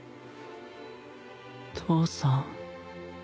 父さん